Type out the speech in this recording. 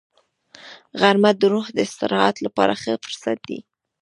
غرمه د روح د استراحت لپاره ښه فرصت دی